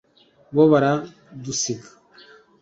bo baradusiga